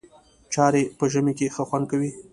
چای په ژمي کې ښه خوند کوي.